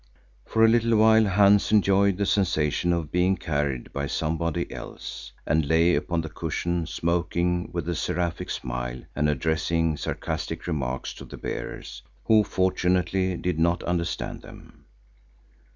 For a little while Hans enjoyed the sensation of being carried by somebody else, and lay upon the cushions smoking with a seraphic smile and addressing sarcastic remarks to the bearers, who fortunately did not understand them.